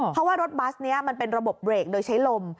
เพราะว่ารถบัสนี้มันเป็นระบบเบรกโดยใช้ลม